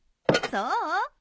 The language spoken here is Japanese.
そう？